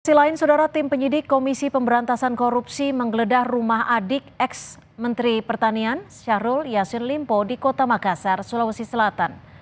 selain saudara tim penyidik komisi pemberantasan korupsi menggeledah rumah adik ex menteri pertanian syahrul yassin limpo di kota makassar sulawesi selatan